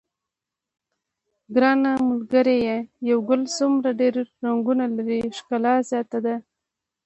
ګرانه ملګریه یو ګل څومره ډېر رنګونه لري ښکلا زیاته ده.